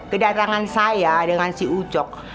kedatangan saya dengan si ucok